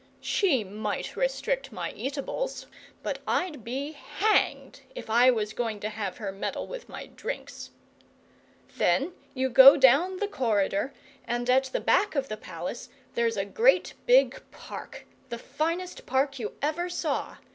(She might restrict my eatables, but I'd be hanged if I was going to have her meddle with my drinks.) "Then you go down the corridor, and at the back of the palace there's a great big park the finest park you ever saw.